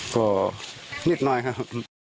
ก็นิดหน่อยครับ